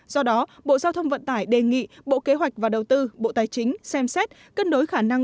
do đó bộ giao thông vận tải đề nghị bộ kế hoạch và đầu tư bộ tài chính xem xét cân đối khả năng